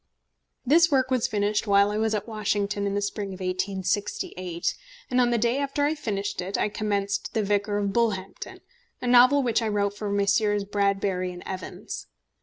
This work was finished while I was at Washington in the spring of 1868, and on the day after I finished it, I commenced The Vicar of Bullhampton, a novel which I wrote for Messrs. Bradbury & Evans.